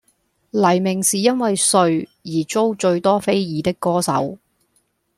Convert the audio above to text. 黎明是因為“帥”而遭最多非議的歌手